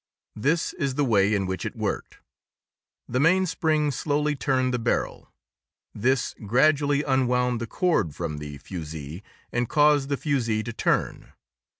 This is the way in which it worked: The mainspring slowly turned the barrel; this gradually unwound the cord from the fusee and caused the fusee to turn.